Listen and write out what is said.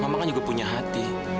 mama kan juga punya hati